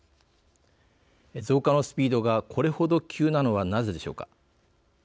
増加のスピードがこれほど急なのはなぜでしょうか。